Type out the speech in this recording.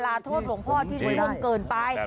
หลาโทษลูกภอด์ที่ล่วงเกินไป